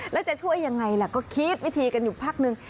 แล้วจะช่วยยังไงล่ะก็คิดวิธีกันอยู่พักนึง